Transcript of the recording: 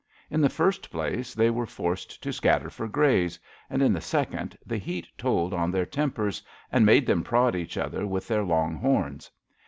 In the first place, they were forced to scatter for graze; and in the second, the heat told on their tempers and made them prod each other with their long horns.